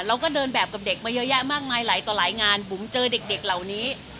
เราก็เดินแบบกับเด็กมาเยอะแยะมากมายหลายต่อหลายงานบุ๋มเจอเด็กเหล่านี้